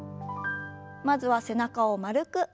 まずは背中を丸く。